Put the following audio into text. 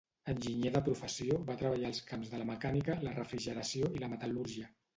Enginyer de professió, va treballar els camps de la mecànica, la refrigeració i la metal·lúrgia.